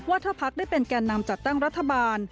ว่าถ้าพักได้เป็นแก่นำจัดตั้งรัฐบาล